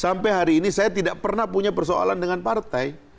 sampai hari ini saya tidak pernah punya persoalan dengan partai